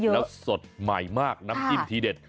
แล้วสดใหม่มากน้ำจิ้มทีเด็ด